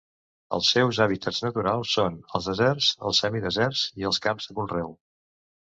Els seus hàbitats naturals són els deserts, els semideserts i els camps de conreu.